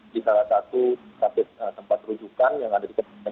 di salah satu tempat rujukan yang ada di kabupaten